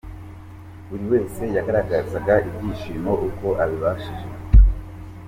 Buri wese yagaragazaga ibyishimo uko abibashije.